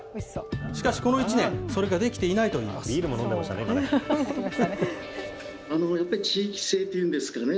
しかしこの１年、それができていないといいます。